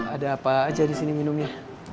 ada apa aja disini minumnya